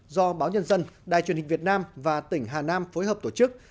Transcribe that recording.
do báo nhân dân đài truyền hình việt nam và tỉnh hà nam phối hợp tổ chức